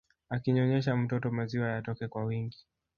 Akinyonyesha mtoto maziwa yatoke kwa wingi